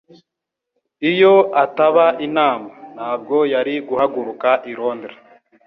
Iyo ataba inama, ntabwo yari guhaguruka i Londres